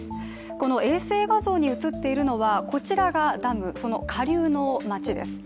この衛星画像に写っているのはこちらがダムその下流の街です。